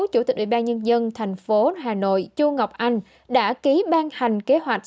chủ tịch ủy ban nhân dân thành phố hà nội chu ngọc anh đã ký ban hành kế hoạch